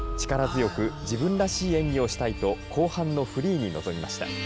力強く自分らしい演技をしたいと後半のフリーに臨みました。